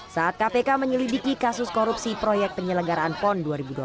saat kpk menyelidiki kasus korupsi proyek penyelenggaraan pon dua ribu dua puluh